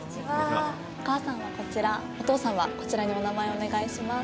お母さんはこちらお父さんはこちらにお名前をお願いします。